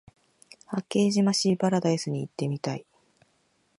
八景島シーパラダイスに行ってみたい